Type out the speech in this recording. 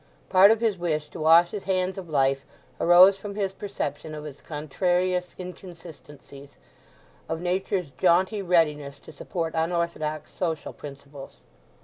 Part of his wish to wash his hands of life arose from his perception of its contrarious inconsistencies—of Nature's jaunty readiness to support unorthodox social principles.